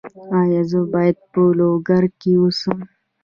ایا زه باید په لوګر کې اوسم؟